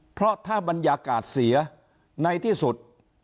เพราะถ้าบรรยากาศเสียในที่สุด